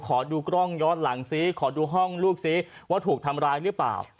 ขอดูกล้องย้อนหลังซิขอดูห้องลูกซิว่าถูกทำร้ายหรือเปล่า